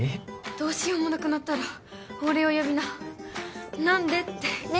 「どうしようもなくなったら俺を呼びな何でって君が」